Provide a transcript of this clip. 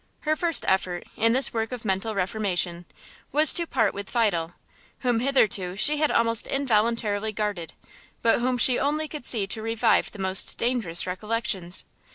Her first effort, in this work of mental reformation, was to part with Fidel, whom hitherto she had almost involuntarily guarded, but whom she only could see to revive the most dangerous recollections.